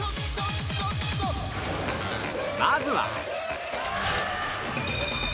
まずは